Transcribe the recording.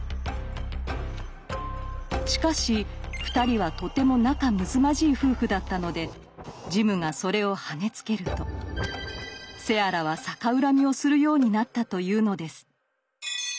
しかし２人はとても仲むつまじい夫婦だったのでジムがそれをはねつけるとセアラは逆恨みをするようになったというのです。